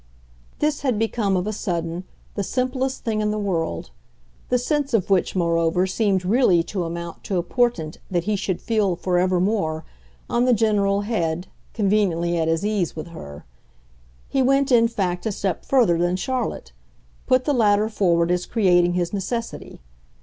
This had become, of a sudden, the simplest thing in the world the sense of which moreover seemed really to amount to a portent that he should feel, forevermore, on the general head, conveniently at his ease with her. He went in fact a step further than Charlotte put the latter forward as creating his necessity.